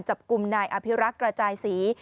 จับกลุ่มนายอภิรักษ์กระจายศรี